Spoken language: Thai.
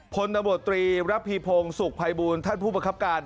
พลตำรวจตรีระพีพงศ์สุขภัยบูลท่านผู้ประคับการ